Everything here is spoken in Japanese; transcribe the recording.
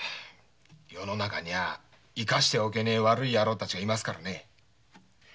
世の中にゃ生かしておけねえ悪いヤツがいますからね。